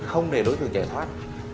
không để đối tượng chạy thoát